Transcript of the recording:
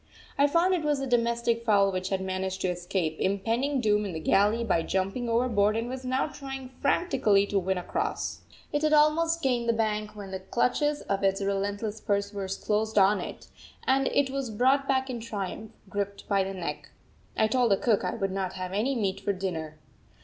I found it was a domestic fowl which had managed to escape impending doom in the galley by jumping overboard and was now trying frantically to win across. It had almost gained the bank when the clutches of its relentless pursuers closed on it, and it was brought back in triumph, gripped by the neck. I told the cook I would not have any meat for dinner.